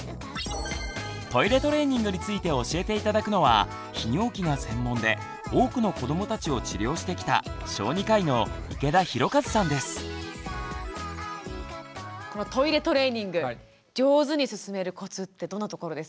トイレトレーニングについて教えて頂くのは泌尿器が専門で多くの子どもたちを治療してきたこのトイレトレーニング上手に進めるコツってどんなところですか？